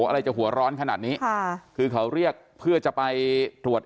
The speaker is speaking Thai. อะไรจะหัวร้อนขนาดนี้ค่ะคือเขาเรียกเพื่อจะไปตรวจ